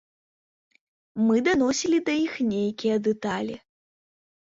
Мы даносілі да іх нейкія дэталі.